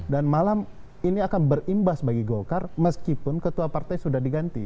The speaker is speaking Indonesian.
dan malam ini akan berimbas bagi golkar meskipun ketua partai sudah diganti